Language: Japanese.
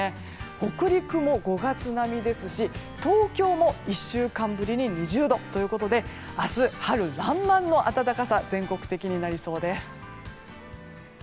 北陸も５月並みですし東京も１週間ぶりに２０度ということで明日、春爛漫の暖かさと全国的になりそうです。